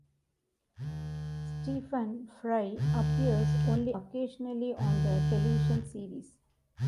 Stephen Fry appears only occasionally on the television series.